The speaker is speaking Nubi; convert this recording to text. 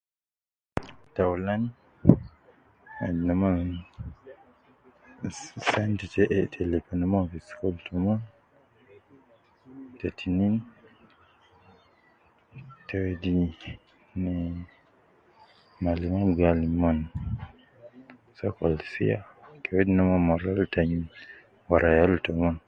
Taulan, wedi nomon sente te, te lipa omon fi school tomon, te tinin ,te wedi ne, malim gi alim omon sokol sia, ke wedi nomon mulodo te ayin wara yal tomon